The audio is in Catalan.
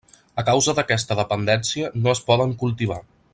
A causa d'aquesta dependència no es poden cultivar.